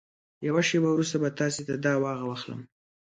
يوه شېبه وروسته به تاسې ته دا او هغه واخلم.